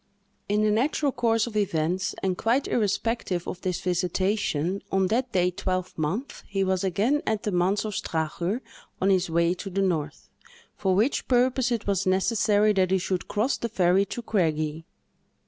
In the natural course of events, and quite irrespective of this visitation, on that day twelvemonth he was again at the Manse of Strachur, on his way to the north, for which purpose it was necessary that he should cross the ferry to Craigie.